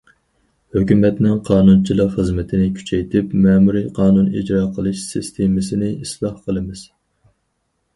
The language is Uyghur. ھۆكۈمەتنىڭ قانۇنچىلىق خىزمىتىنى كۈچەيتىپ، مەمۇرىي قانۇن ئىجرا قىلىش سىستېمىسىنى ئىسلاھ قىلىمىز.